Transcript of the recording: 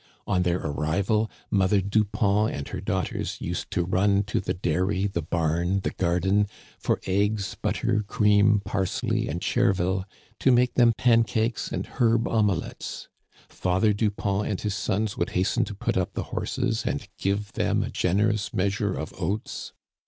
On their arrival, Mother Dupont and her daugh ters used to run to the dairy, the bam, the garden, for eggs, butter, cream, parsley, and chervil, to make them pancakes and herb omelettes. Father Dupont and his sons would hasten to put up the horses and give them a generous measure of oats.